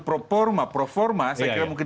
performa performa saya kira mungkin